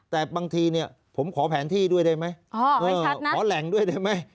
แต่บางทีเนี่ยผมขอแผนที่ด้วยได้ไหมขอแหล่งด้วยได้ไหม